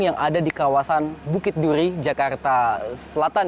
yang ada di kawasan bukit duri jakarta selatan